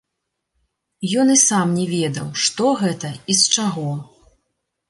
Ён і сам не ведаў, што гэта і з чаго.